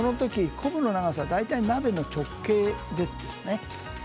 昆布の長さは鍋の直径です。